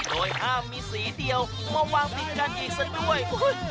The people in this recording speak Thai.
โดยห้ามมีสีเดียวมาวางติดกันอีกซะด้วย